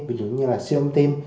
ví dụ như là siêu âm tim